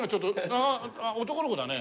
あっ男の子だね。